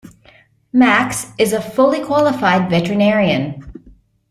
Max is a fully qualified veterinarian.